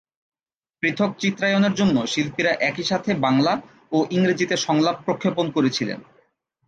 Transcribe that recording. পৃথক চিত্রায়নের জন্য শিল্পীরা একই সাথে বাংলা ও ইংরেজিতে সংলাপ প্রক্ষেপণ করেছিলেন।